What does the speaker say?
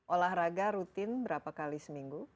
olahraga rutin berapa kali seminggu